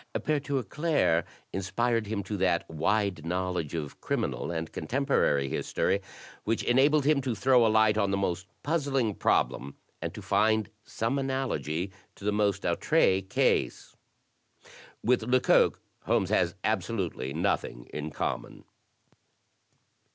Pfere Tirauclair inspired him to that wide knowledge of criminal and contemporary history which enabled him to throw a light on the most puzzling problem and to find some analogy I04 THE TECHNIQUE OF THE MYSTERY STORY to the most outri case. With Lecoq, Holmes has absolutely nothing in common."